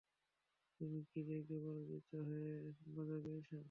তুমি কি রেসে পরাজিত হয়ে, মজা পেয়েছো?